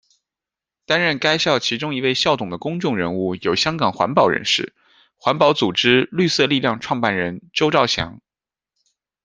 担任该校其中一位校董的公众人物有香港环保人士、环保组织绿色力量创办人周兆祥。